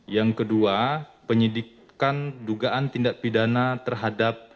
yang kedua penyidikan dugaan tindak pidana terhadap